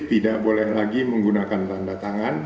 tidak boleh lagi menggunakan tanda tangan